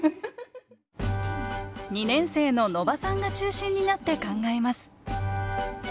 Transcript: ２年生の野場さんが中心になって考えます